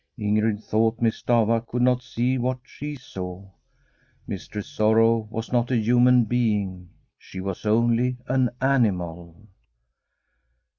Ing^d thought Miss Stafva could not see what she saw: Mistress Sorrow was not a human being; she was only an animal.